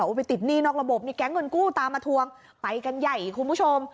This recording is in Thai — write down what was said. ไปติดหนี้นอกระบบมีแก๊งเงินกู้ตามมาทวงไปกันใหญ่คุณผู้ชม